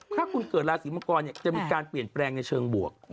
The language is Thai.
ถ้าคุณเกิดราศีมังกรจะมีการเปลี่ยนแปลงในเชิงบวก